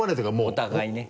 お互いね。